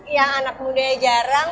yang anak muda jarang